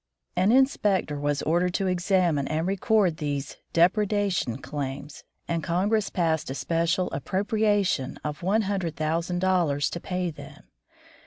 An in spector was ordered to examine and record these "depredation claims," and Congress passed a special appropriation of one hundred thousand dollars to pay them.